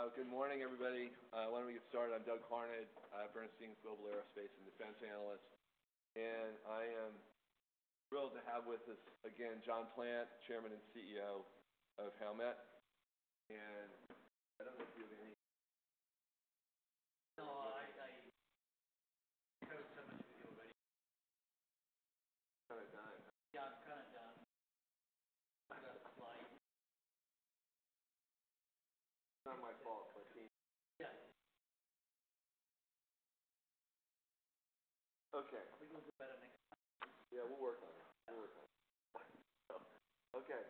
Okay. Good morning, everybody. Why don't we get started? I'm Doug Harned, Bernstein's Global Aerospace and Defense Analyst, and I am thrilled to have with us again John Plant, Chairman and CEO of Howmet. And I don't know if you have any— No, I don't have so much video, but— Kinda done. Yeah, I'm kinda done. I got a slight— It's not my fault, Martine. Yeah. Okay. We can do better next time. Yeah, we'll work on it. Yeah. We'll work on it. Okay.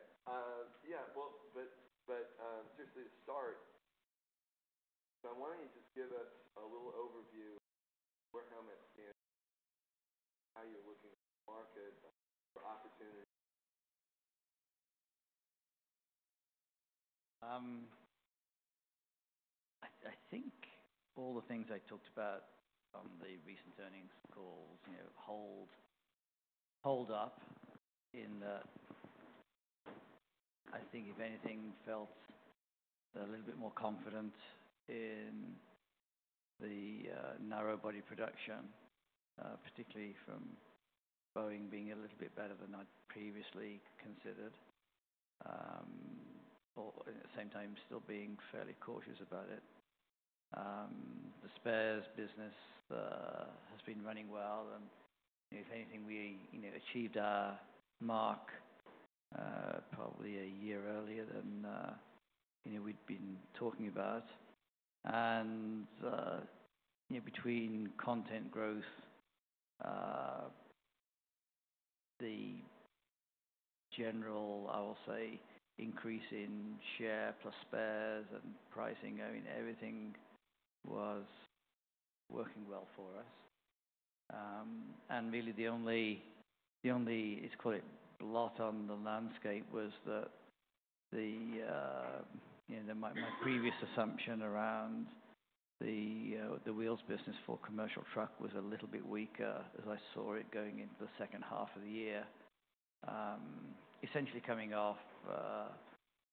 Yeah, but, seriously, to start, I wanted you to just give us a little overview of where Howmet stands, how you're looking at the market for opportunity. I think all the things I talked about on the recent earnings calls, you know, hold up in that I think, if anything, felt a little bit more confident in the narrowbody production, particularly from Boeing being a little bit better than I'd previously considered, or at the same time still being fairly cautious about it. The spares business has been running well, and if anything, we, you know, achieved our mark, probably a year earlier than, you know, we'd been talking about. You know, between content growth, the general, I will say, increase in share plus spares and pricing going, everything was working well for us. Really the only, let's call it blot on the landscape was that, you know, my previous assumption around the wheels business for commercial truck was a little bit weaker as I saw it going into the second half of the year, essentially coming off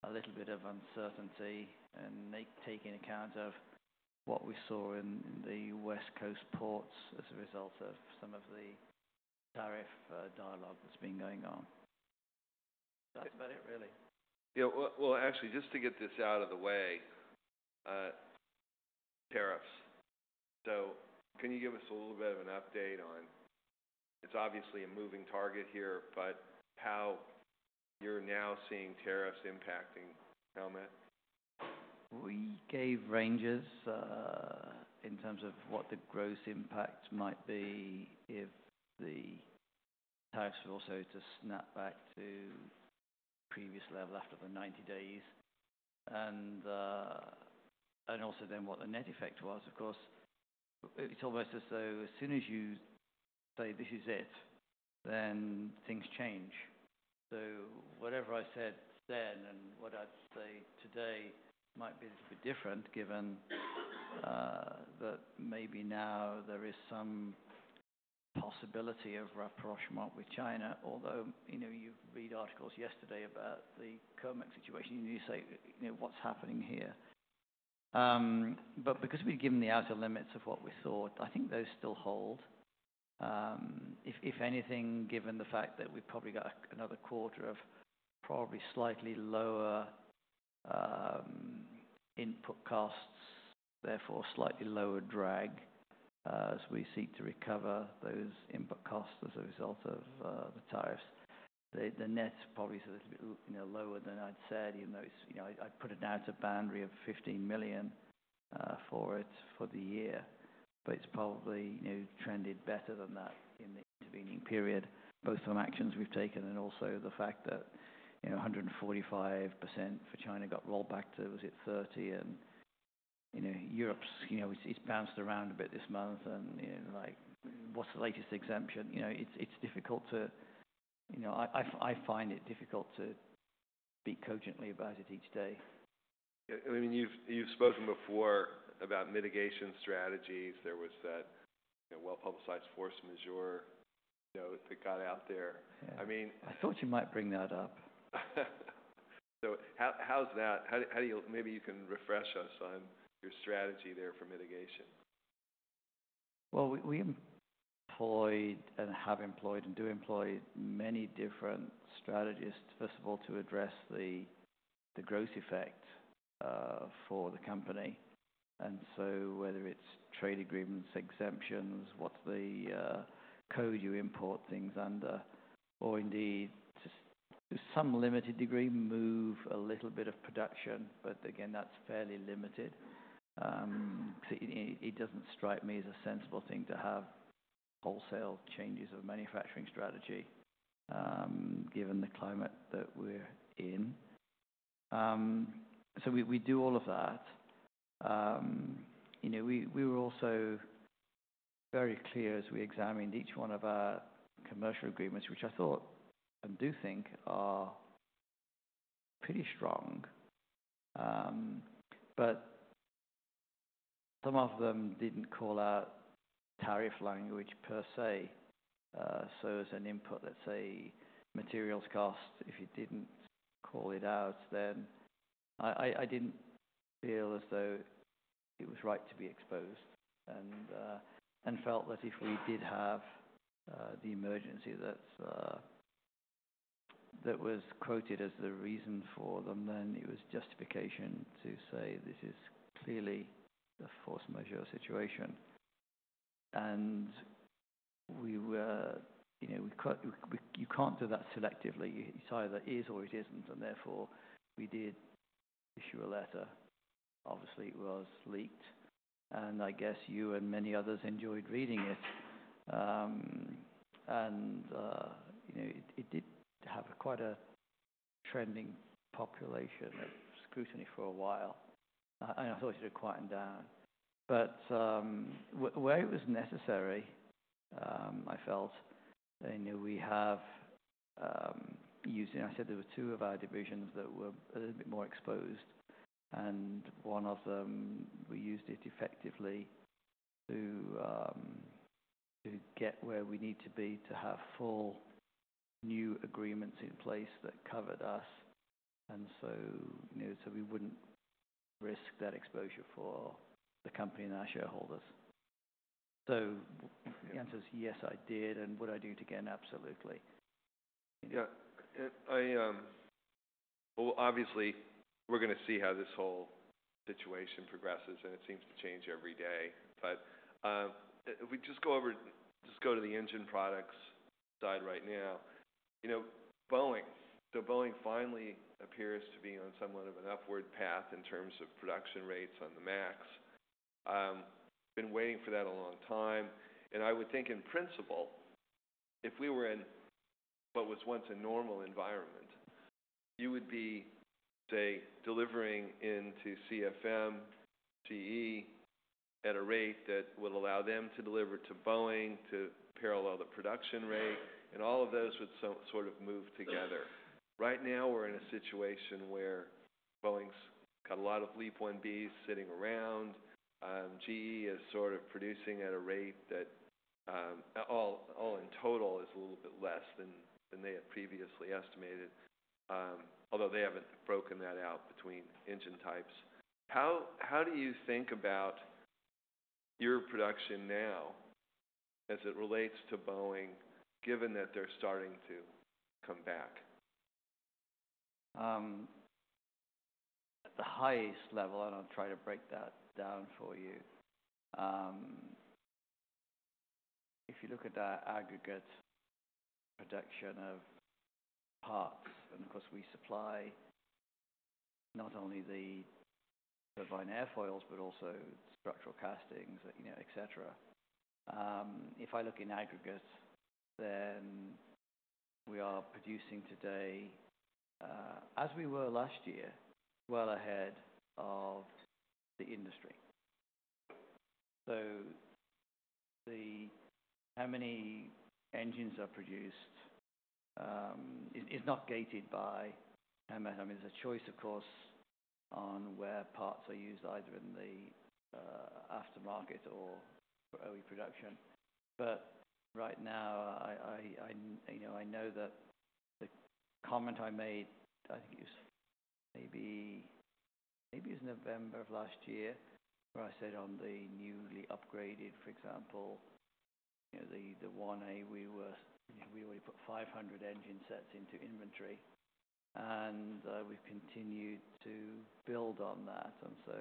a little bit of uncertainty and taking account of what we saw in the West Coast ports as a result of some of the tariff dialogue that's been going on. That's about it, really. Yeah. Actually, just to get this out of the way, tariffs. Can you give us a little bit of an update on—it's obviously a moving target here—but how you're now seeing tariffs impacting Howmet? We gave ranges, in terms of what the gross impact might be if the tariffs were also to snap back to previous level after the 90 days, and also then what the net effect was. Of course, it's almost as though as soon as you say, "This is it," then things change. So whatever I said then and what I'd say today might be a little bit different given that maybe now there is some possibility of rapprochement with China, although, you know, you read articles yesterday about the Kermet situation, you say, you know, what's happening here. But because we'd given the outer limits of what we thought, I think those still hold. If anything, given the fact that we've probably got another quarter of probably slightly lower input costs, therefore slightly lower drag, as we seek to recover those input costs as a result of the tariffs, the net probably is a little bit, you know, lower than I'd said, even though it's, you know, I put an outer boundary of $15 million for it for the year, but it's probably, you know, trended better than that in the intervening period, both from actions we've taken and also the fact that, you know, 145% for China got rolled back to, was it 30%? And, you know, Europe's, you know, it's bounced around a bit this month, and, you know, like, what's the latest exemption? You know, it's difficult to, you know, I find it difficult to speak cogently about it each day. Yeah. I mean, you've spoken before about mitigation strategies. There was that, you know, well-publicized force majeure, you know, that got out there. Yeah. I mean. I thought you might bring that up. How's that? How do you, maybe you can refresh us on your strategy there for mitigation? We employed and have employed and do employ many different strategists, first of all, to address the gross effect for the company. Whether it is trade agreements, exemptions, what is the code you import things under, or indeed to some limited degree move a little bit of production, but again, that is fairly limited. It does not strike me as a sensible thing to have wholesale changes of manufacturing strategy, given the climate that we are in. We do all of that. You know, we were also very clear as we examined each one of our commercial agreements, which I thought and do think are pretty strong. Some of them did not call out the tariff language per se. As an input, let's say materials cost, if you did not call it out, then I did not feel as though it was right to be exposed and felt that if we did have the emergency that was quoted as the reason for them, then it was justification to say, "This is clearly a force majeure situation." We were, you know, we, you cannot do that selectively. It either is or it is not. Therefore, we did issue a letter. Obviously, it was leaked, and I guess you and many others enjoyed reading it. You know, it did have quite a trending population of scrutiny for a while. I thought it had quietened down, but, where it was necessary, I felt that, you know, we have, using I said there were two of our divisions that were a little bit more exposed, and one of them we used it effectively to get where we need to be to have full new agreements in place that covered us. You know, we would not risk that exposure for the company and our shareholders. The answer is yes, I did. Would I do it again? Absolutely. Yeah. I, obviously, we're gonna see how this whole situation progresses, and it seems to change every day. If we just go to the engine products side right now, you know, Boeing. Boeing finally appears to be on somewhat of an upward path in terms of production rates on the MAX. Been waiting for that a long time. I would think, in principle, if we were in what was once a normal environment, you would be, say, delivering into CFM, GE at a rate that would allow them to deliver to Boeing to parallel the production rate, and all of those would sort of move together. Right now, we're in a situation where Boeing's got a lot of LEAP-1Bs sitting around. GE is sort of producing at a rate that, all in total, is a little bit less than they had previously estimated, although they haven't broken that out between engine types. How do you think about your production now as it relates to Boeing, given that they're starting to come back? At the highest level, and I'll try to break that down for you, if you look at our aggregate production of parts, and of course, we supply not only the turbine airfoils but also structural castings, you know, etc., if I look in aggregates, then we are producing today, as we were last year, well ahead of the industry. So the how many engines are produced, is, is not gated by Howmet. I mean, there's a choice, of course, on where parts are used, either in the, aftermarket or early production. Right now, I, you know, I know that the comment I made, I think it was maybe, maybe it was November of last year where I said on the newly upgraded, for example, you know, the 1A, we were, you know, we already put 500 engine sets into inventory, and we've continued to build on that. And so.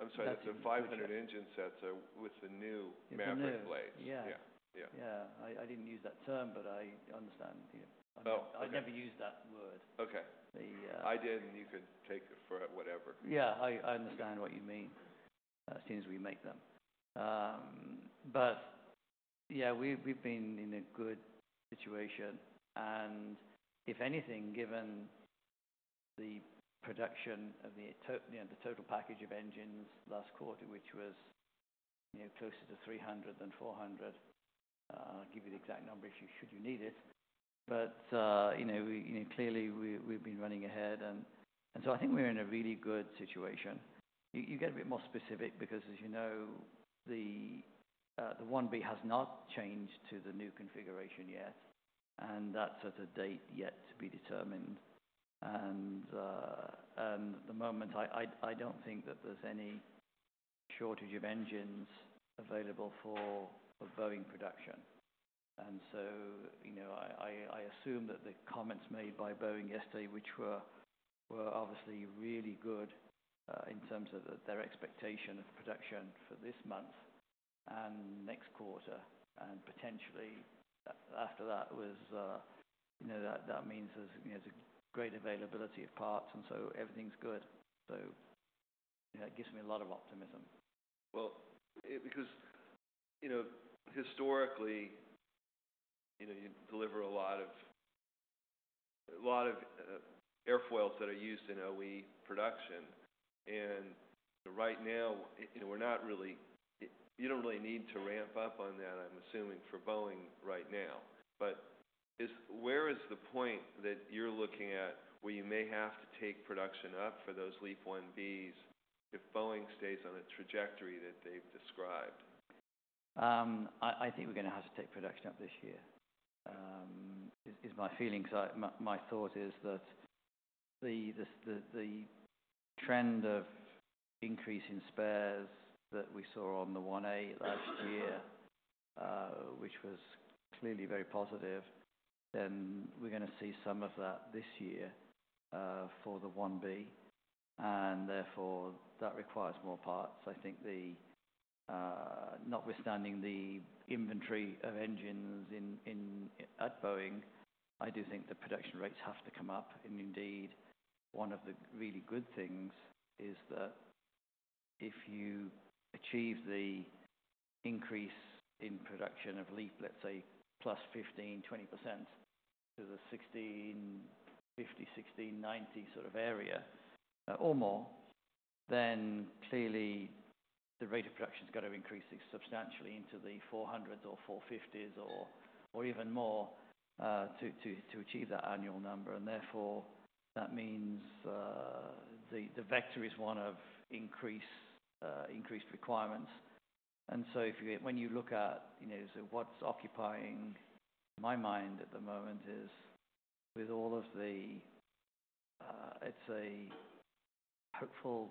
I'm sorry. So 500 engine sets are with the new Maverick blades. Yeah. Yeah. Yeah. Yeah. I didn't use that term, but I understand, you know. Oh. I never used that word. Okay. The, I did, and you could take it for whatever. Yeah. I understand what you mean. As soon as we make them. But yeah, we've been in a good situation. If anything, given the production of the, you know, the total package of engines last quarter, which was, you know, closer to 300 than 400, I'll give you the exact number if you need it. But, you know, clearly, we've been running ahead, and I think we're in a really good situation. You get a bit more specific because, as you know, the 1B has not changed to the new configuration yet, and that's at a date yet to be determined. At the moment, I don't think that there's any shortage of engines available for Boeing production. You know, I assume that the comments made by Boeing yesterday, which were obviously really good, in terms of their expectation of production for this month and next quarter and potentially after that, was, you know, that means there's a great availability of parts, and everything's good. You know, that gives me a lot of optimism. Because, you know, historically, you know, you deliver a lot of, a lot of airfoils that are used in OE production. And right now, you know, we're not really, you don't really need to ramp up on that, I'm assuming, for Boeing right now. But is where is the point that you're looking at where you may have to take production up for those LEAP-1Bs if Boeing stays on a trajectory that they've described? I think we're gonna have to take production up this year. My thought is that the trend of increase in spares that we saw on the 1A last year, which was clearly very positive, then we're gonna see some of that this year for the 1B. Therefore, that requires more parts. I think, notwithstanding the inventory of engines at Boeing, I do think the production rates have to come up. Indeed, one of the really good things is that if you achieve the increase in production of LEAP, let's say, plus 15%-20% to the 1,650-1,690 sort of area, or more, then clearly the rate of production's gotta increase substantially into the 400s or 450s or even more, to achieve that annual number. Therefore, that means the vector is one of increase, increased requirements. If you, when you look at, you know, so what's occupying my mind at the moment is with all of the, let's say, hopeful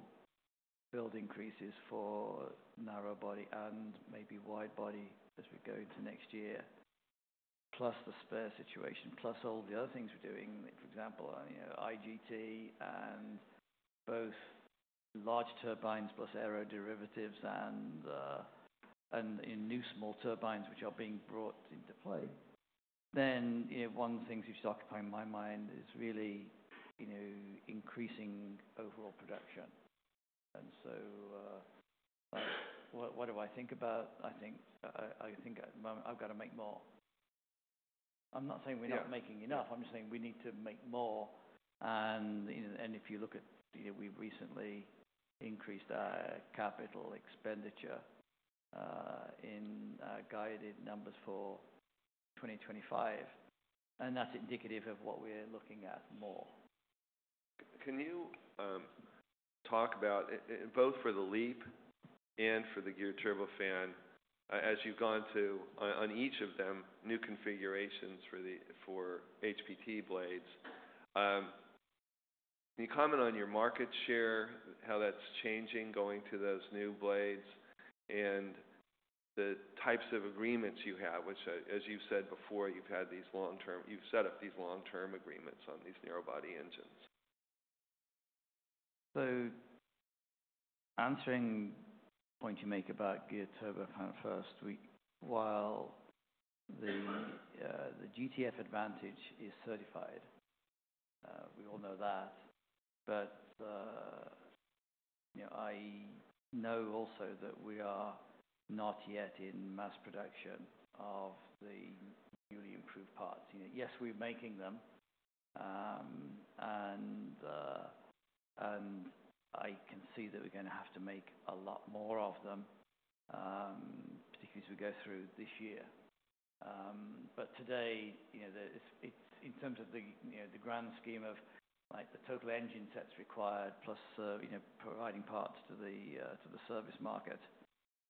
build increases for narrowbody and maybe widebody as we go into next year, plus the spare situation, plus all the other things we're doing, for example, you know, IGT and both large turbines plus aero derivatives and, you know, new small turbines which are being brought into play. One of the things which is occupying my mind is really, you know, increasing overall production. What do I think about? I think at the moment I've gotta make more. I'm not saying we're not making enough. I'm just saying we need to make more. You know, if you look at, you know, we've recently increased our capital expenditure, in guided numbers for 2025, and that's indicative of what we're looking at more. Can you talk about, both for the LEAP and for the Geared Turbofan, as you've gone to, on each of them, new configurations for the HPT blades? Can you comment on your market share, how that's changing going to those new blades and the types of agreements you have, which, as you've said before, you've had these long-term, you've set up these long-term agreements on these narrowbody engines? Answering the point you make about Geared TurboFan first, we, while the, the GTF advantage is certified, we all know that. But, you know, I know also that we are not yet in mass production of the newly improved parts. You know, yes, we're making them, and I can see that we're gonna have to make a lot more of them, particularly as we go through this year. Today, you know, in terms of the, you know, the grand scheme of, like, the total engine sets required plus, you know, providing parts to the service market,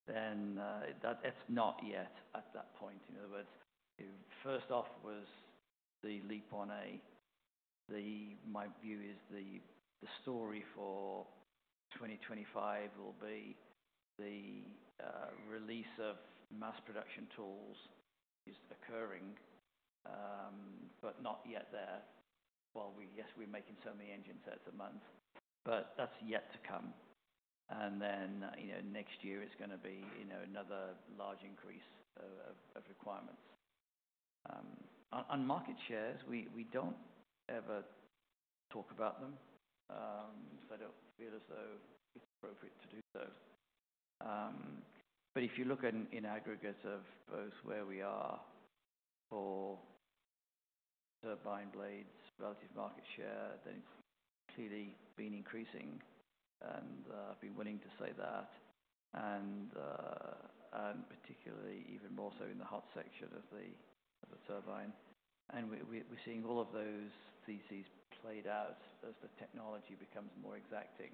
then, that, it's not yet at that point. In other words, if first off was the LEAP-1A, my view is the, the story for 2025 will be the release of mass production tools is occurring, but not yet there. Yes, we're making so many engine sets a month, but that's yet to come. And then, you know, next year is gonna be, you know, another large increase of requirements. On market shares, we don't ever talk about them, so I don't feel as though it's appropriate to do so. If you look in aggregate of both where we are for turbine blades relative market share, then it's clearly been increasing, and I've been willing to say that. Particularly even more so in the hot section of the turbine. We're seeing all of those theses played out as the technology becomes more exacting.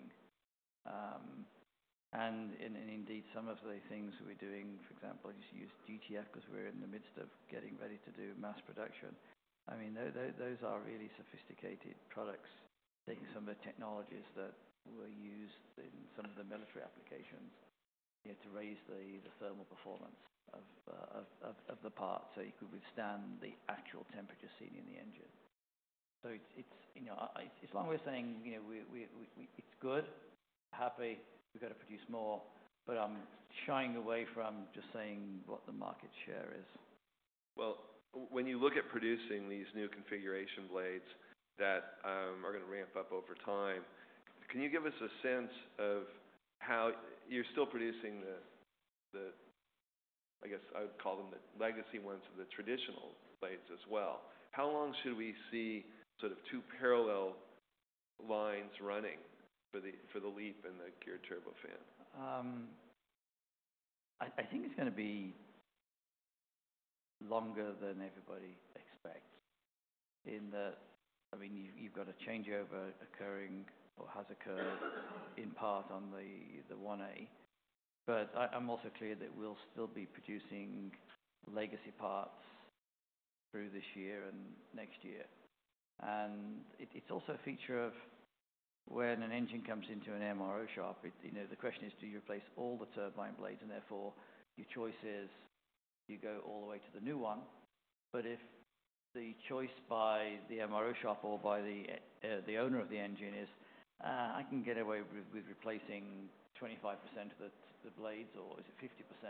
Indeed, some of the things we're doing, for example, just use GTF 'cause we're in the midst of getting ready to do mass production. I mean, those are really sophisticated products taking some of the technologies that were used in some of the military applications, you know, to raise the thermal performance of the part so you could withstand the actual temperature seen in the engine. It is, you know, as long as we're saying, you know, we're good, happy, we've gotta produce more, but I'm shying away from just saying what the market share is. When you look at producing these new configuration blades that are gonna ramp up over time, can you give us a sense of how you're still producing the, I guess I would call them the legacy ones and the traditional blades as well. How long should we see sort of two parallel lines running for the Leap and the Gear TurboFan? I think it's gonna be longer than everybody expects in that, I mean, you've got a changeover occurring or has occurred in part on the 1A. I'm also clear that we'll still be producing legacy parts through this year and next year. It's also a feature of when an engine comes into an MRO shop, you know, the question is, do you replace all the turbine blades? Therefore, your choice is you go all the way to the new one. If the choice by the MRO shop or by the owner of the engine is, I can get away with replacing 25% of the blades or is it 50%,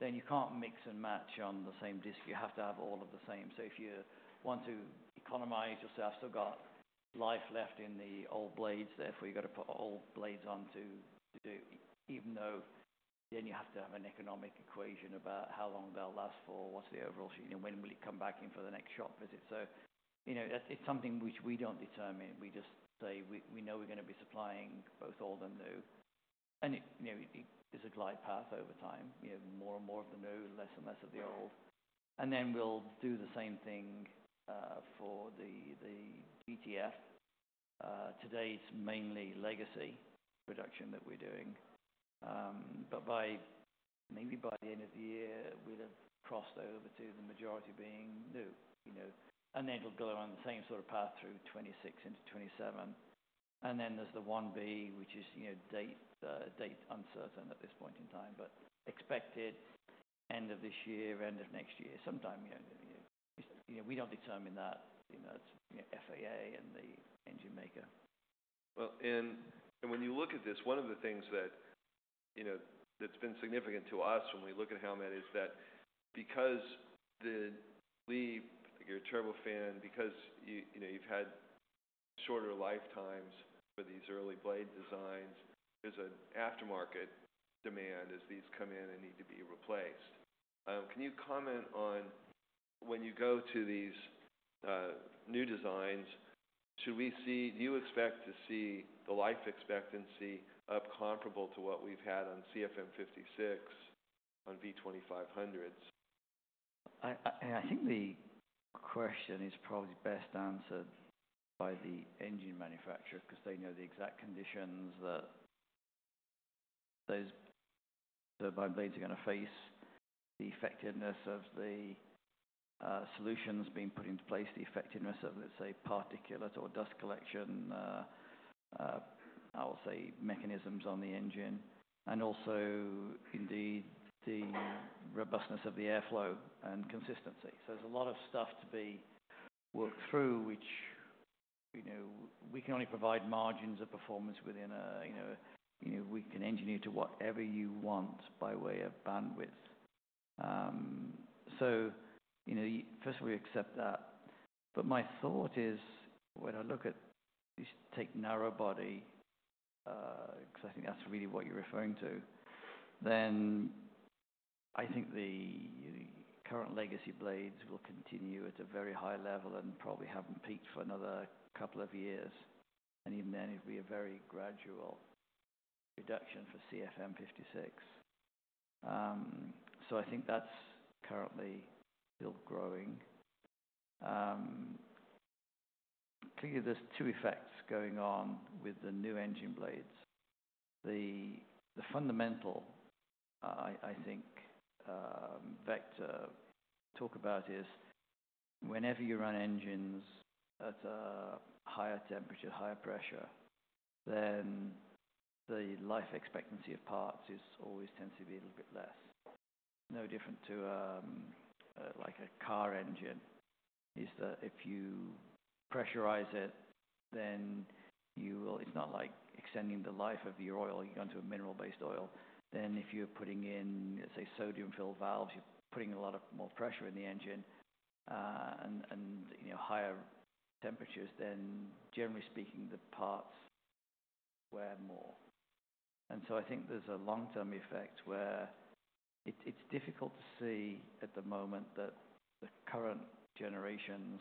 then you can't mix and match on the same disk. You have to have all of the same. If you want to economize yourself, still got life left in the old blades. Therefore, you gotta put old blades on to do, even though then you have to have an economic equation about how long they'll last for, what's the overall, you know, when will it come back in for the next shop visit. You know, that is something which we do not determine. We just say we know we are gonna be supplying both old and new. It is a glide path over time, more and more of the new, less and less of the old. We will do the same thing for the GTF. Today it is mainly legacy production that we are doing, but maybe by the end of the year, we will have crossed over to the majority being new, you know. It'll go on the same sort of path through 2026 into 2027. Then there's the 1B, which is, you know, date uncertain at this point in time, but expected end of this year, end of next year, sometime, you know, we don't determine that, you know, it's FAA and the engine maker. When you look at this, one of the things that, you know, that's been significant to us when we look at Howmet is that because the LEAP, the Geared Turbofan, because you, you know, you've had shorter lifetimes for these early blade designs, there's an aftermarket demand as these come in and need to be replaced. Can you comment on when you go to these new designs, should we see, do you expect to see the life expectancy up comparable to what we've had on CFM56, on V2500s? I think the question is probably best answered by the engine manufacturer 'cause they know the exact conditions that those turbine blades are gonna face, the effectiveness of the solutions being put into place, the effectiveness of, let's say, particulate or dust collection, I'll say mechanisms on the engine, and also indeed the robustness of the airflow and consistency. There is a lot of stuff to be worked through, which, you know, we can only provide margins of performance within a, you know, we can engineer to whatever you want by way of bandwidth. First of all, we accept that. My thought is when I look at these, take narrowbody, 'cause I think that's really what you're referring to, then I think the current legacy blades will continue at a very high level and probably haven't peaked for another couple of years. Even then, it'll be a very gradual reduction for CFM56. I think that's currently still growing. Clearly, there's two effects going on with the new engine blades. The fundamental, I think, vector to talk about is whenever you run engines at a higher temperature, higher pressure, then the life expectancy of parts always tends to be a little bit less. It's no different to, like, a car engine in that if you pressurize it, then you will—it's not like extending the life of your oil. You're going to a mineral-based oil. If you're putting in, let's say, sodium-filled valves, you're putting a lot more pressure in the engine, and, you know, higher temperatures, then generally speaking, the parts wear more. I think there's a long-term effect where it's difficult to see at the moment that the current generations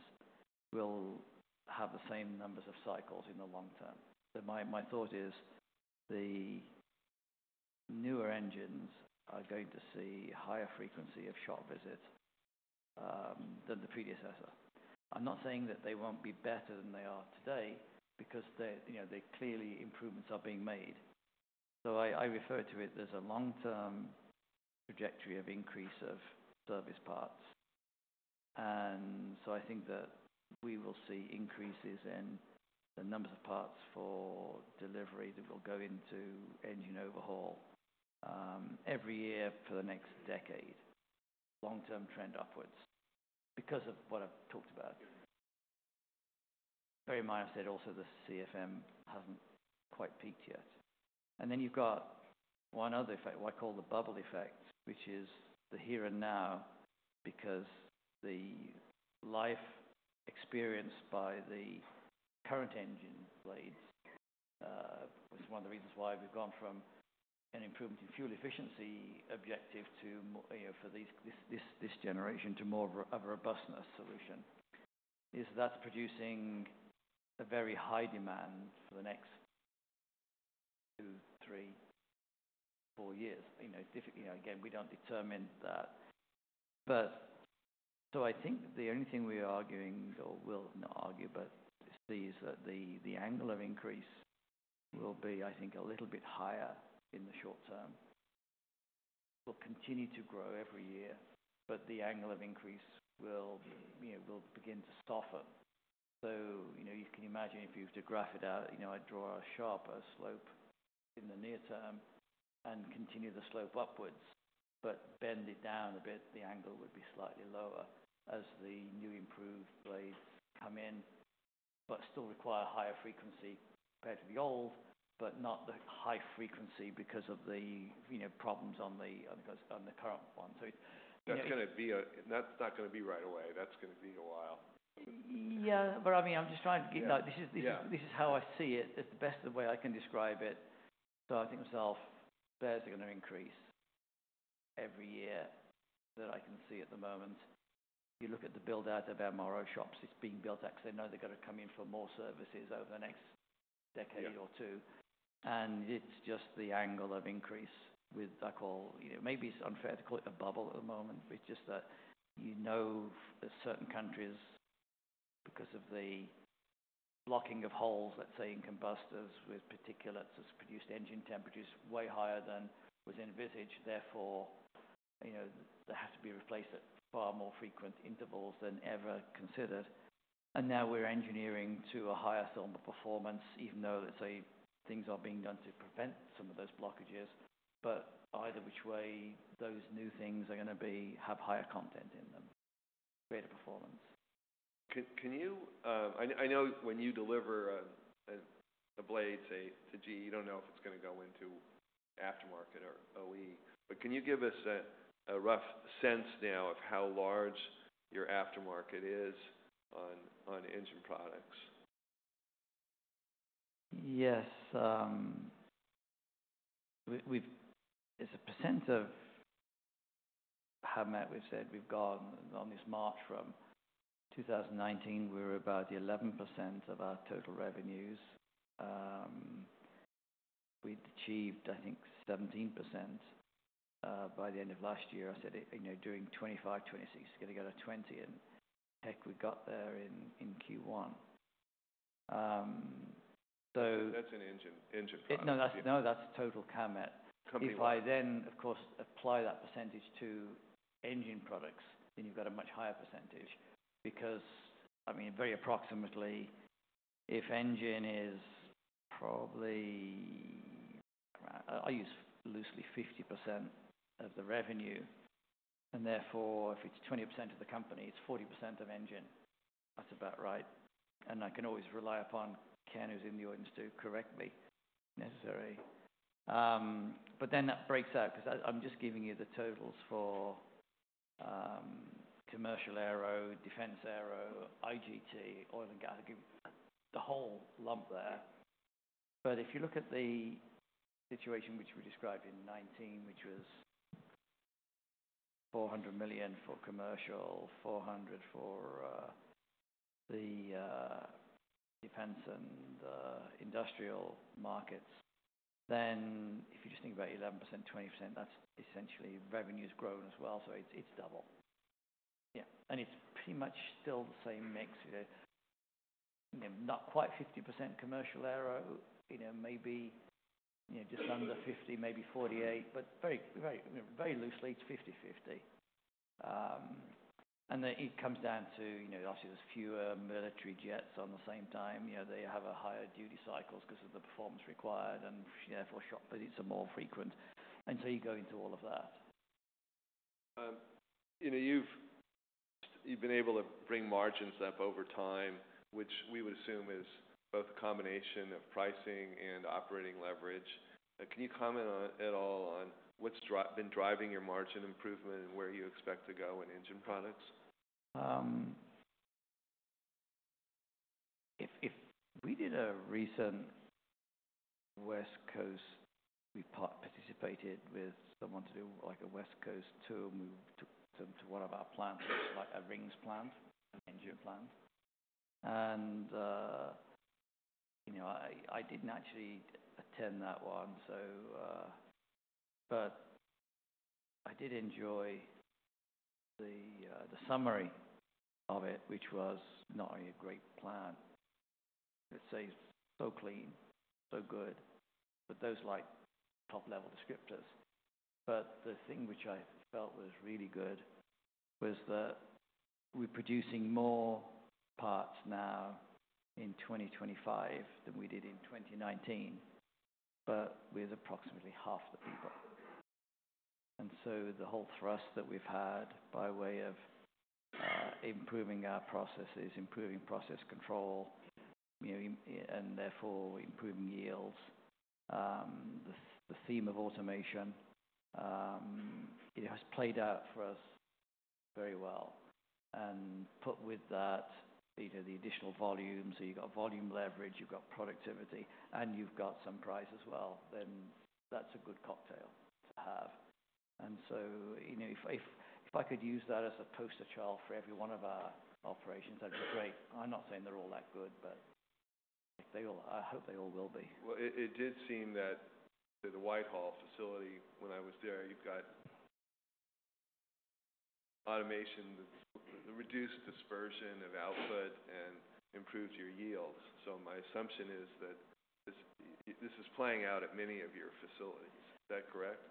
will have the same numbers of cycles in the long term. My thought is the newer engines are going to see higher frequency of shop visits than the predecessor. I'm not saying that they won't be better than they are today because they're, you know, clearly improvements are being made. I refer to it as a long-term trajectory of increase of service parts. I think that we will see increases in the numbers of parts for delivery that will go into engine overhaul, every year for the next decade, long-term trend upwards because of what I've talked about. Bearing in mind I said also the CFM hasn't quite peaked yet. You have one other effect, what I call the bubble effect, which is the here and now because the life experienced by the current engine blades was one of the reasons why we've gone from an improvement in fuel efficiency objective to more, you know, for these, this generation to more of a robustness solution. That's producing a very high demand for the next two, three, four years. You know, again, we don't determine that. I think the only thing we are arguing, or will not argue, but see, is that the angle of increase will be, I think, a little bit higher in the short term. It'll continue to grow every year, but the angle of increase will, you know, begin to soften. You know, you can imagine if you were to graph it out, I draw a sharp slope in the near term and continue the slope upwards, but bend it down a bit. The angle would be slightly lower as the new improved blades come in, but still require higher frequency compared to the old, but not the high frequency because of the problems on the current one. So it's. That's gonna be a that's not gonna be right away. That's gonna be a while. Yeah. I mean, I'm just trying to get like, this is how I see it. At the best of the way I can describe it, I think themselves spares are gonna increase every year that I can see at the moment. You look at the buildout of MRO shops, it's being built out 'cause they know they're gonna come in for more services over the next decade or two. It's just the angle of increase with, I call, you know, maybe it's unfair to call it a bubble at the moment, but it's just that you know certain countries because of the blocking of holes, let's say, in combustors with particulates has produced engine temperatures way higher than was envisaged. Therefore, you know, they have to be replaced at far more frequent intervals than ever considered. We're engineering to a higher thermal performance, even though, let's say, things are being done to prevent some of those blockages. Either way, those new things are gonna have higher content in them, greater performance. Can you, I know when you deliver the blades A to G, you don't know if it's gonna go into aftermarket or OE, but can you give us a rough sense now of how large your aftermarket is on engine products? Yes. We, we've, it's a percent of Howmet. We've said we've gone on this march from 2019, we were about 11% of our total revenues. We'd achieved, I think, 17% by the end of last year. I said, you know, doing 25%, 26%, gonna go to 20%, and heck, we got there in, in Q1. That's an engine, engine product. No, that's total Howmet. Company. If I then, of course, apply that percentage to engine products, then you've got a much higher percentage because, I mean, very approximately, if engine is probably around, I use loosely 50% of the revenue. And therefore, if it's 20% of the company, it's 40% of engine. That's about right. And I can always rely upon Ken who's in the audience to correct me if necessary. That breaks out 'cause I'm just giving you the totals for commercial aero, defense aero, IGT, oil and gas, the whole lump there. If you look at the situation which we described in 2019, which was $400 million for commercial, $400 million for the defense and industrial markets, then if you just think about 11%, 20%, that's essentially revenues grown as well. It's double. Yeah. It's pretty much still the same mix, you know, not quite 50% commercial aero, you know, maybe just under 50%, maybe 48%, but very, very, you know, very loosely it's 50/50. Then it comes down to, you know, obviously there's fewer military jets at the same time. You know, they have higher duty cycles because of the performance required and therefore shop, but it's more frequent. And so you go into all of that. you know, you've, you've been able to bring margins up over time, which we would assume is both a combination of pricing and operating leverage. can you comment at all on what's been driving your margin improvement and where you expect to go in engine products? If we did a recent West Coast, we participated with someone to do like a West Coast tour. We took them to one of our plants, which is like a rings plant, an engine plant. And, you know, I didn't actually attend that one, but I did enjoy the summary of it, which was not only a great plant, let's say, so clean, so good, but those like top-level descriptors. The thing which I felt was really good was that we're producing more parts now in 2025 than we did in 2019, but with approximately half the people. The whole thrust that we've had by way of improving our processes, improving process control, you know, and therefore improving yields, the theme of automation, it has played out for us very well. You know, you put with that the additional volume, so you've got volume leverage, you've got productivity, and you've got some price as well, then that's a good cocktail to have. You know, if I could use that as a poster child for every one of our operations, that'd be great. I'm not saying they're all that good, but they all, I hope they all will be. It did seem that at the Whitehall facility when I was there, you've got automation that reduced dispersion of output and improved your yields. My assumption is that this is playing out at many of your facilities. Is that correct?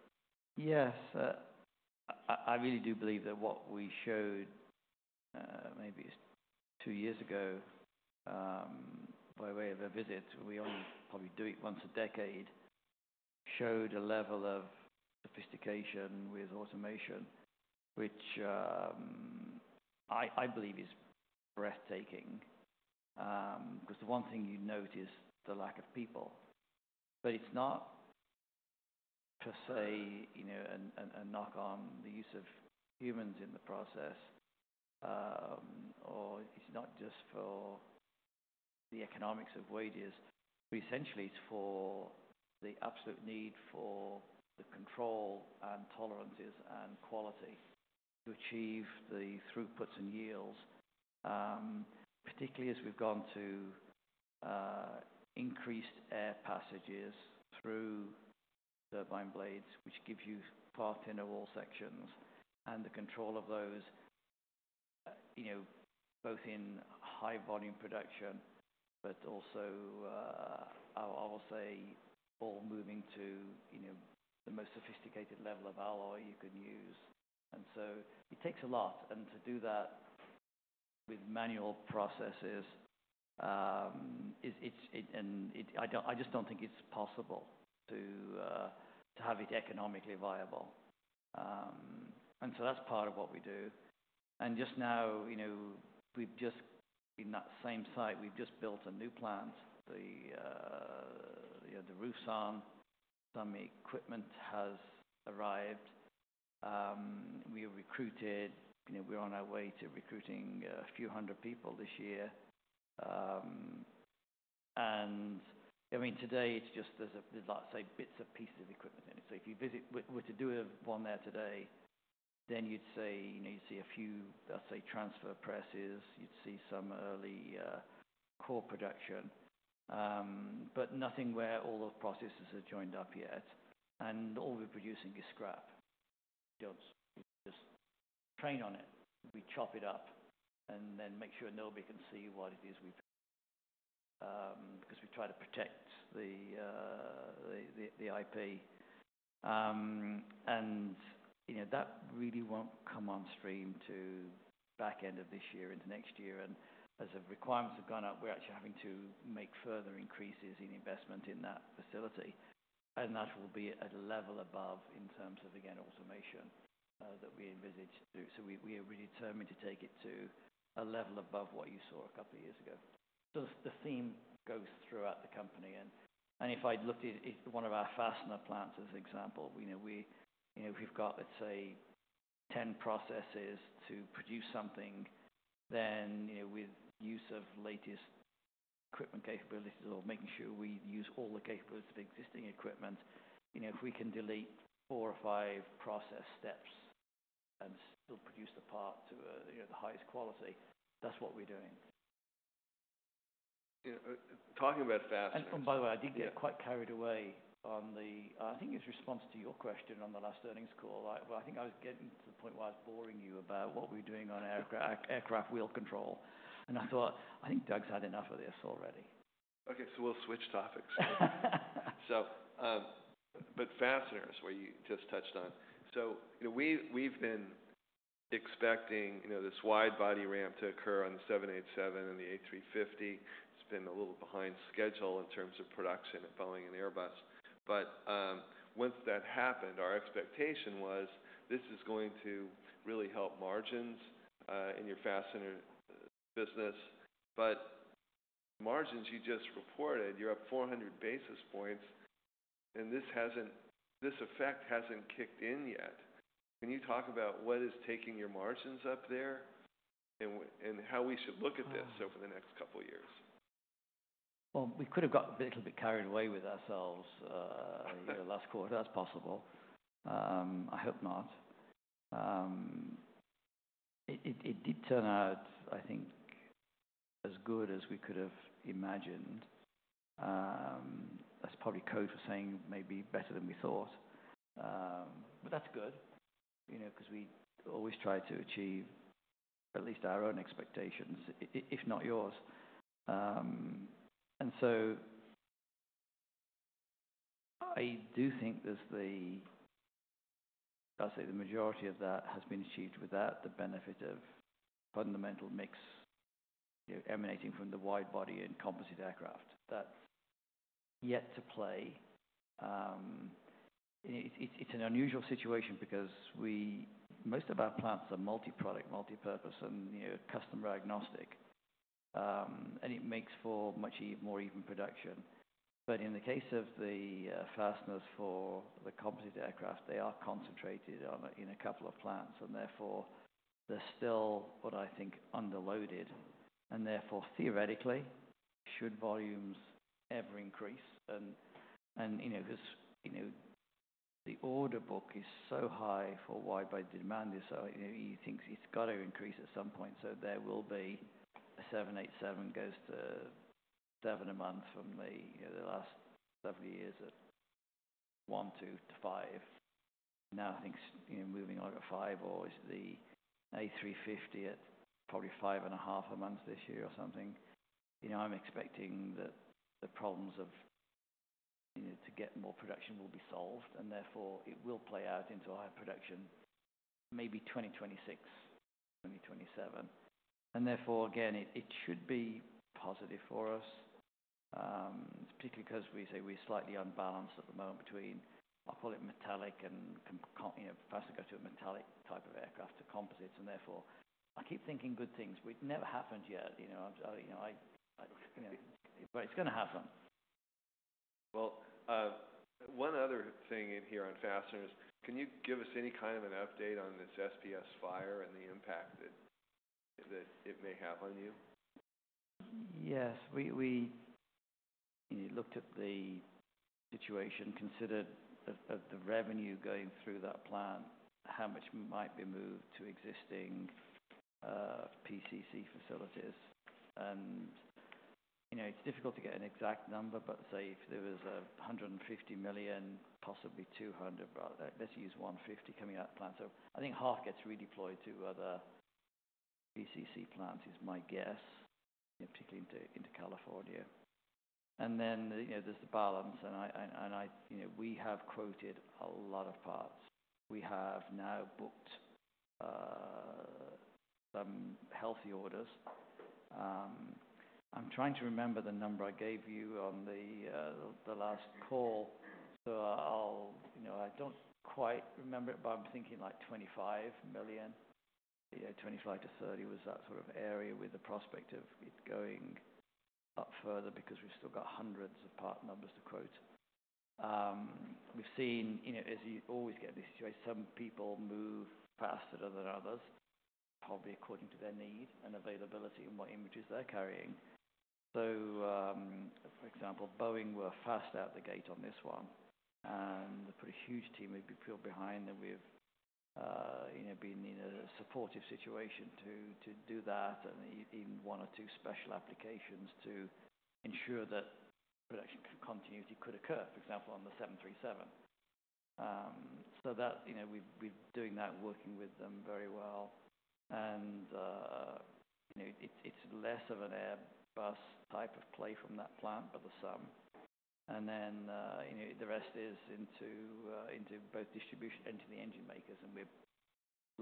Yes. I really do believe that what we showed, maybe two years ago, by way of a visit, we only probably do it once a decade, showed a level of sophistication with automation, which, I believe is breathtaking, 'cause the one thing you notice is the lack of people. It is not per se, you know, a knock on the use of humans in the process, or it is not just for the economics of wages, but essentially it is for the absolute need for the control and tolerances and quality to achieve the throughputs and yields, particularly as we have gone to increased air passages through turbine blades, which gives you parts in all sections and the control of those, you know, both in high-volume production, but also, I will say all moving to, you know, the most sophisticated level of alloy you can use. It takes a lot. To do that with manual processes, I just don't think it's possible to have it economically viable. That's part of what we do. Just now, in that same site, we've just built a new plant, the roof's on. Some equipment has arrived. We recruited, you know, we're on our way to recruiting a few hundred people this year. I mean, today it's just, there's like, say, bits and pieces of equipment in it. If you visit with one there today, then you'd see, you know, you'd see a few, let's say, transfer presses. You'd see some early core production, but nothing where all the processes are joined up yet. All we're producing is scrap. We do not just train on it. We chop it up and then make sure nobody can see what it is we have done, 'cause we try to protect the IP. And, you know, that really will not come on stream to back end of this year into next year. As the requirements have gone up, we are actually having to make further increases in investment in that facility. That will be at a level above in terms of, again, automation, that we envisaged to do. We are really determined to take it to a level above what you saw a couple of years ago. The theme goes throughout the company. If I'd looked at it, it's one of our fastener plants as an example, you know, we've got, let's say, 10 processes to produce something, then, you know, with use of latest equipment capabilities or making sure we use all the capabilities of existing equipment, you know, if we can delete four or five process steps and still produce the part to a, you know, the highest quality, that's what we're doing. You know, talking about fasteners. By the way, I did get quite carried away on the, I think it is response to your question on the last earnings call. I, I think I was getting to the point where I was boring you about what we were doing on aircraft, aircraft wheel control. I thought, I think Doug's had enough of this already. Okay. We'll switch topics. Fasteners were you just touched on. You know, we've been expecting this widebody ramp to occur on the 787 and the A350. It's been a little behind schedule in terms of production at Boeing and Airbus. Once that happened, our expectation was this is going to really help margins in your fastener business. Margins you just reported, you're up 400 basis points, and this effect hasn't kicked in yet. Can you talk about what is taking your margins up there and how we should look at this over the next couple of years? We could have got a little bit carried away with ourselves, you know, last quarter. That is possible. I hope not. It did turn out, I think, as good as we could have imagined. That is probably code for saying maybe better than we thought. That is good, you know, 'cause we always try to achieve at least our own expectations, if not yours. I do think the majority of that has been achieved without the benefit of fundamental mix, you know, emanating from the widebody and composite aircraft. That is yet to play. You know, it is an unusual situation because most of our plants are multi-product, multi-purpose, and, you know, customer agnostic. It makes for much more even production. In the case of the fasteners for the composite aircraft, they are concentrated in a couple of plants, and therefore they're still, what I think, underloaded. Therefore, theoretically, should volumes ever increase and, you know, 'cause, you know, the order book is so high for widebody demand, it is so, you know, he thinks it's gotta increase at some point. There will be a 787 that goes to 7% a month from the last several years of 1% to 5%. Now I think, you know, moving on to 5% or the A350 at probably 5.5% a month this year or something. I'm expecting that the problems to get more production will be solved, and therefore it will play out into our production maybe 2026, 2027. Therefore, again, it should be positive for us, particularly 'cause we say we're slightly unbalanced at the moment between, I'll call it metallic and com, you know, fasteners go to a metallic type of aircraft to composites. Therefore, I keep thinking good things. We'd never happened yet, you know. I'm, you know, I, I, you know, but it's gonna happen. One other thing in here on fasteners, can you give us any kind of an update on this SPS fire and the impact that it may have on you? Yes. We, you know, looked at the situation, considered the revenue going through that plant, how much might be moved to existing PCC facilities. And, you know, it's difficult to get an exact number, but say if there was $150 million, possibly $200 million, but let's use $150 million coming out of plants. I think half gets redeployed to other PCC plants is my guess, you know, particularly into California. Then, you know, there's the balance. I, you know, we have quoted a lot of parts. We have now booked some healthy orders. I'm trying to remember the number I gave you on the last call. I'll, you know, I don't quite remember it, but I'm thinking like $25 million, you know, $25 million-$30 million was that sort of area with the prospect of it going up further because we've still got hundreds of part numbers to quote. We've seen, you know, as you always get in this situation, some people move faster than others, probably according to their need and availability and what images they're carrying. For example, Boeing were fast out the gate on this one, and a pretty huge team had been pulled behind. And we've, you know, been in a supportive situation to do that and in one or two special applications to ensure that production continuity could occur, for example, on the 737. That, you know, we're doing that, working with them very well. You know, it's less of an Airbus type of play from that plant, but the sum. You know, the rest is into both distribution and to the engine makers. We have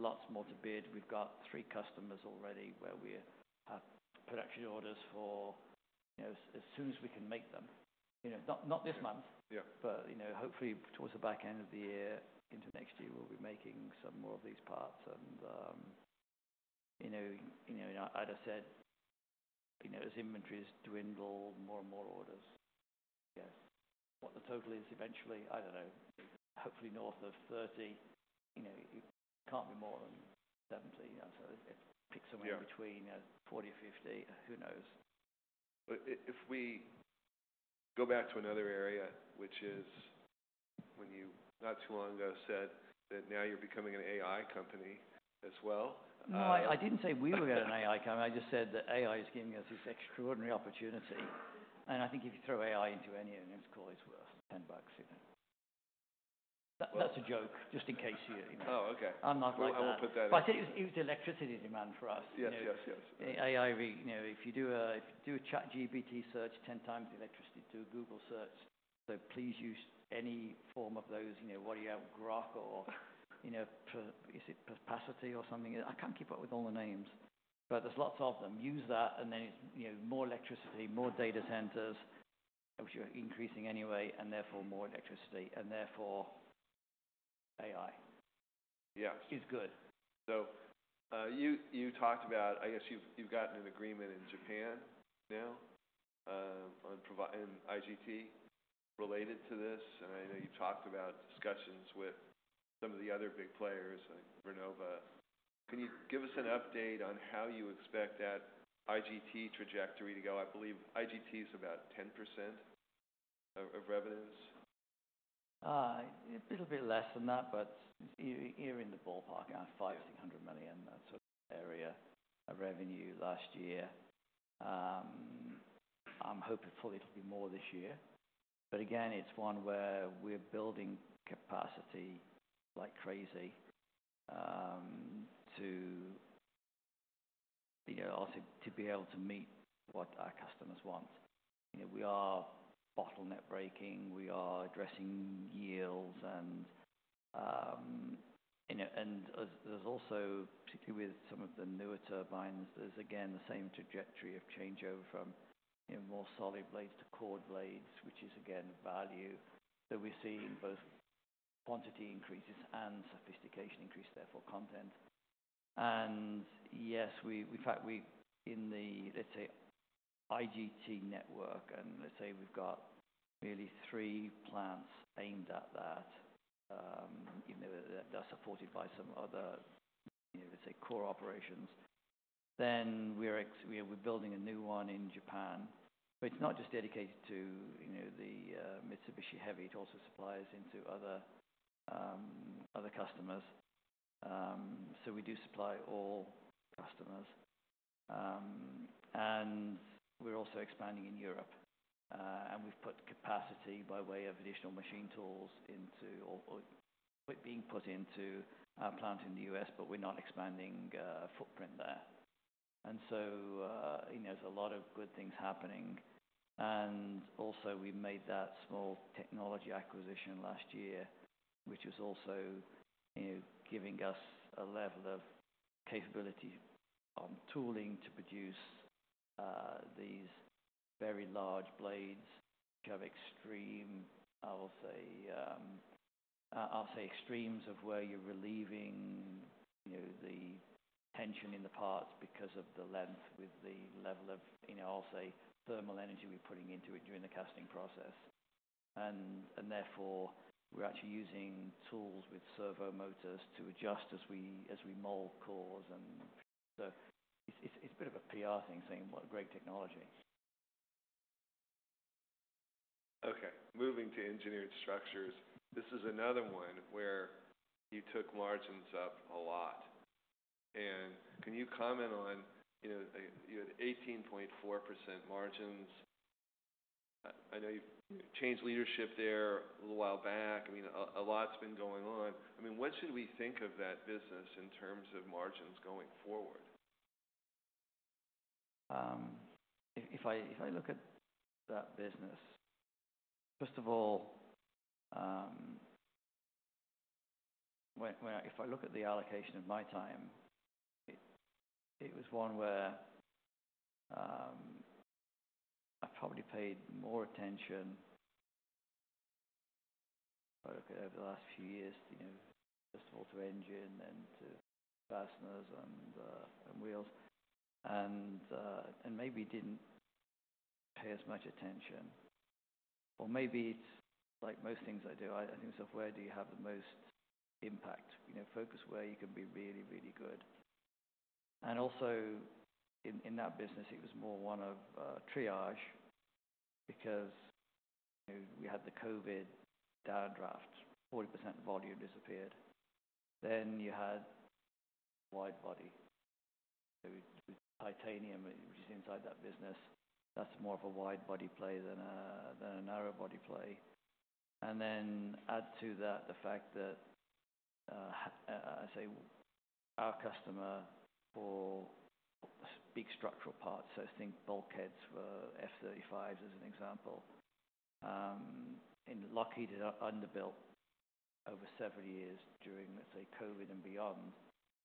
lots more to bid. We've got three customers already where we have production orders for, you know, as soon as we can make them, you know, not this month. Yeah. You know, hopefully towards the back end of the year, into next year, we'll be making some more of these parts. And, you know, as I said, you know, as inventories dwindle, more and more orders, I guess. What the total is eventually, I don't know. Hopefully north of 30, you know, it can't be more than 70, you know. So it picks somewhere in between, you know, 40 or 50, who knows? If we go back to another area, which is when you not too long ago said that now you're becoming an AI company as well. No, I didn't say we were at an AI company. I just said that AI is giving us this extraordinary opportunity. I think if you throw AI into any engine's call, it's worth $10, you know. That's a joke just in case you, you know. Oh, okay. I'm not like that. I will put that in. I said it was, it was electricity demand for us. Yes, yes, yes. The AI, you know, if you do a, if you do a ChatGPT search, 10 times electricity to a Google search, so please use any form of those, you know, what are you, Grok or, you know, is it Perplexity or something? I can't keep up with all the names, but there's lots of them. Use that and then it's, you know, more electricity, more data centers, which are increasing anyway, and therefore more electricity and therefore AI is good. Yeah. You talked about, I guess you've gotten an agreement in Japan now, on providing IGT related to this. I know you talked about discussions with some of the other big players, like Renova. Can you give us an update on how you expect that IGT trajectory to go? I believe IGT's about 10% of revenues. A little bit less than that, but you're in the ballpark around $500 million-$600 million sort of area of revenue last year. I'm hoping fully it'll be more this year. Again, it's one where we're building capacity like crazy, to, you know, also to be able to meet what our customers want. You know, we are bottleneck breaking. We are addressing yields and, you know, there's also, particularly with some of the newer turbines, there's again the same trajectory of changeover from, you know, more solid blades to cored blades, which is again value. We're seeing both quantity increases and sophistication increase, therefore content. Yes, we, in fact, we in the, let's say, IGT network, and let's say we've got nearly three plants aimed at that, you know, that are supported by some other, you know, let's say core operations. We're building a new one in Japan, but it's not just dedicated to Mitsubishi Heavy. It also supplies into other customers. We do supply all customers. We're also expanding in Europe. We've put capacity by way of additional machine tools into, or are being put into, our plant in the U.S., but we're not expanding footprint there. There are a lot of good things happening. Also, we made that small technology acquisition last year, which was also giving us a level of capability on tooling to produce these very large blades, which have extremes of where you're relieving the tension in the parts because of the length with the level of thermal energy we're putting into it during the casting process. We're actually using tools with servo motors to adjust as we mold cores, and so it's a bit of a PR thing saying what a great technology. Okay. Moving to engineered structures, this is another one where you took margins up a lot. Can you comment on, you know, you had 18.4% margins. I know you changed leadership there a little while back. I mean, a lot's been going on. I mean, what should we think of that business in terms of margins going forward? If I look at that business, first of all, when I look at the allocation of my time, it was one where I probably paid more attention, if I look at over the last few years, you know, first of all to engine and to fasteners and wheels. And maybe did not pay as much attention. Or maybe it is like most things I do, I think myself, where do you have the most impact? You know, focus where you can be really, really good. Also, in that business, it was more one of triage because, you know, we had the COVID downdraft, 40% volume disappeared. You had widebody. With titanium, which is inside that business, that is more of a widebody play than a narrowbody play. Add to that the fact that, I say our customer for big structural parts, so think bulkheads for F-35s as an example, in Lockheed underbuilt over several years during, let's say, COVID and beyond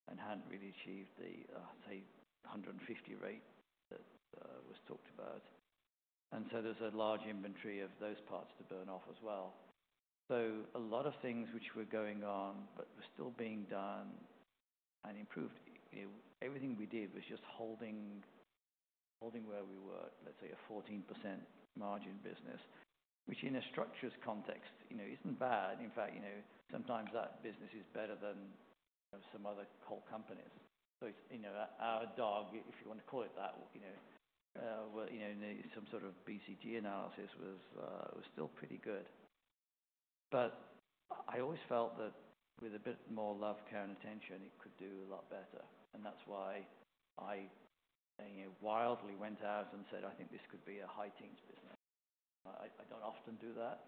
and had not really achieved the, I'll say, 150 rate that was talked about. There is a large inventory of those parts to burn off as well. A lot of things which were going on but were still being done and improved, you know, everything we did was just holding, holding where we were, let's say, a 14% margin business, which in a structures context, you know, is not bad. In fact, you know, sometimes that business is better than, you know, some other core companies. It is, you know, our dog, if you want to call it that, you know, well, you know, some sort of BCG analysis was, was still pretty good. I always felt that with a bit more love, care, and attention, it could do a lot better. That is why I, you know, wildly went out and said, "I think this could be a high teens business." I do not often do that,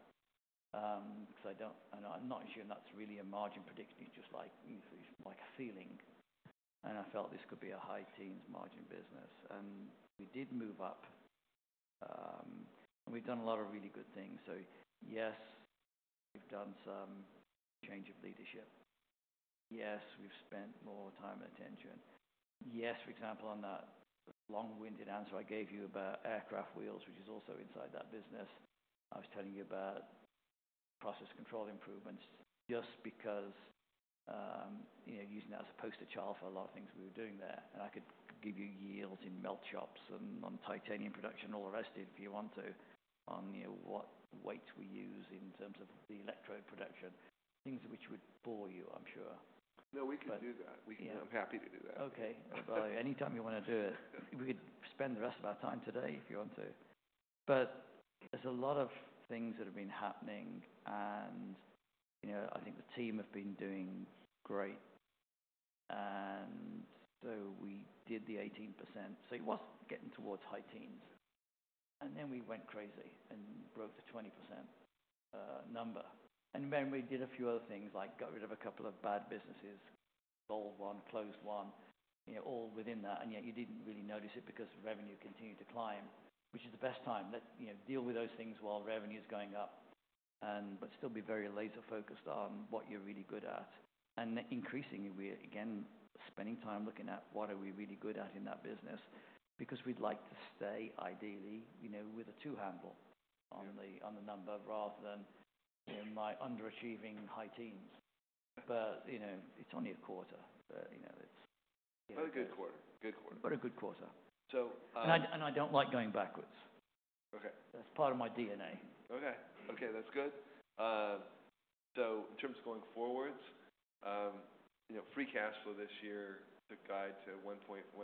'cause I do not, I am not assuming that is really a margin prediction. It is just like, it is like a feeling. I felt this could be a high teens margin business. We did move up, and we have done a lot of really good things. Yes, we have done some change of leadership. Yes, we have spent more time and attention. Yes, for example, on that long-winded answer I gave you about aircraft wheels, which is also inside that business, I was telling you about process control improvements just because, you know, using that as a poster child for a lot of things we were doing there. I could give you yields in melt shops and on titanium production and all the rest if you want to, on, you know, what weights we use in terms of the electrode production, things which would bore you, I'm sure. No, we can do that. We can. I'm happy to do that. Okay. Anytime you want to do it, we could spend the rest of our time today if you want to. There are a lot of things that have been happening. You know, I think the team have been doing great. We did the 18%. It was getting towards high teens. Then we went crazy and broke the 20% number. We did a few other things like got rid of a couple of bad businesses, sold one, closed one, you know, all within that. Yet you did not really notice it because revenue continued to climb, which is the best time. Let's, you know, deal with those things while revenue is going up and still be very laser focused on what you are really good at. Increasingly, we're again spending time looking at what are we really good at in that business because we'd like to stay ideally, you know, with a two handle on the, on the number rather than, you know, my underachieving high teens. You know, it's only a quarter, but, you know, it's. A good quarter. Good quarter. A good quarter. So, I don't like going backwards. Okay. That's part of my DNA. Okay. Okay. That's good. So in terms of going forwards, you know, free cash flow this year took guide to $1.15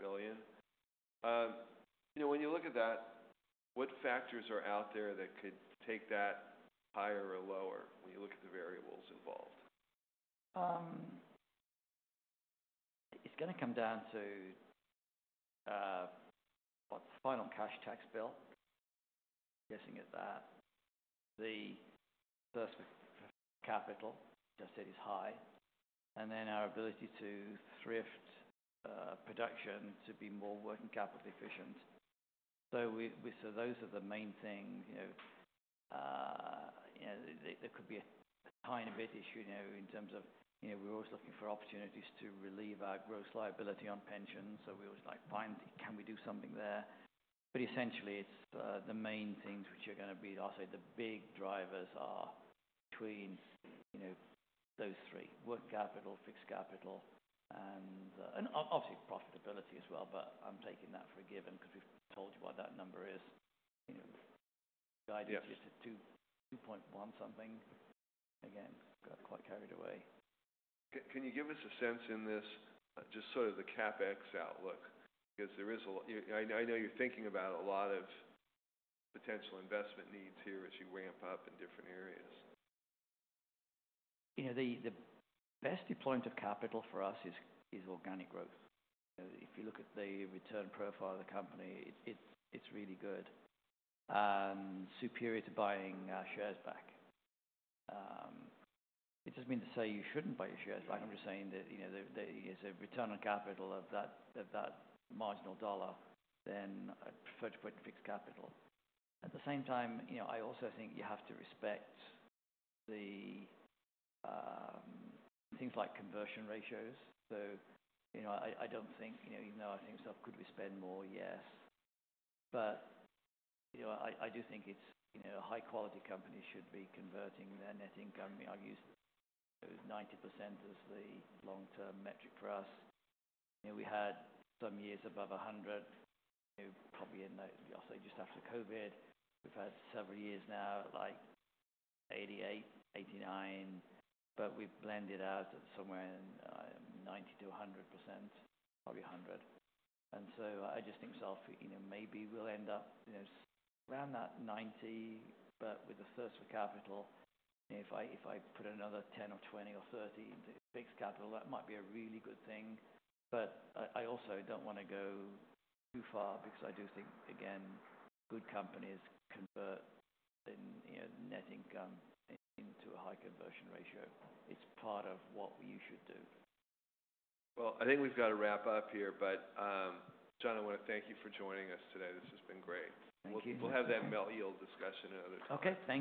billion. You know, when you look at that, what factors are out there that could take that higher or lower when you look at the variables involved? It's going to come down to what's final cash tax bill, guessing at that. The first capital, as I said, is high. And then our ability to thrift production to be more working capital efficient. So those are the main things, you know, there could be a tiny bit issue, you know, in terms of, you know, we're always looking for opportunities to relieve our gross liability on pension. We always like find, can we do something there? But essentially, the main things which are going to be, I'll say the big drivers are between those three, working capital, fixed capital, and obviously profitability as well. I'm taking that for a given because we've told you what that number is, you know, guided to 2.1 something. Again, got quite carried away. Can you give us a sense in this, just sort of the CapEx outlook? Because there is a lot, you know, I know you're thinking about a lot of potential investment needs here as you ramp up in different areas. You know, the best deployment of capital for us is organic growth. You know, if you look at the return profile of the company, it's really good and superior to buying our shares back. It doesn't mean to say you shouldn't buy your shares back. I'm just saying that, you know, there is a return on capital of that marginal dollar, then I'd prefer to put in fixed capital. At the same time, you know, I also think you have to respect things like conversion ratios. So, you know, I don't think, you know, even though I think stuff could be spent more, yes. But, you know, I do think it's, you know, a high quality company should be converting their net income. I mean, I've used 90% as the long term metric for us. You know, we had some years above 100, you know, probably in the, I'll say just after COVID. We've had several years now at like 88, 89, but we've blended out at somewhere in 90-100%, probably 100%. I just think myself, you know, maybe we'll end up, you know, around that 90%. With the first capital, you know, if I put another 10 or 20 or 30 into fixed capital, that might be a really good thing. I also don't want to go too far because I do think, again, good companies convert, you know, net income into a high conversion ratio. It's part of what you should do. I think we've got to wrap up here, but, John, I want to thank you for joining us today. This has been great. Thank you. We'll have that melt yield discussion at other times. Okay. Thank.